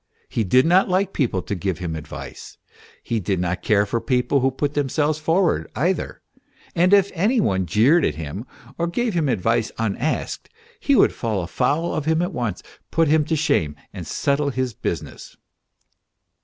He did not like people to give him advice, he did not care for people who put themselves forward either, and if any one jeered at him or gave him advice unasked, he would fall foul of him at once, put him to shame, and settle his business.